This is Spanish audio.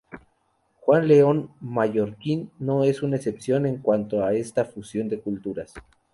Juan León Mallorquín no es una excepción en cuanto a esta fusión de culturas.